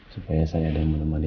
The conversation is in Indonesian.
supaya saya ada yang menemani